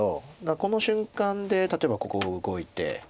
この瞬間で例えばここ動いて。